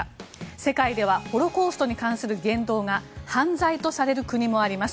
世界ではホロコーストに関する言動が犯罪とされる国もあります。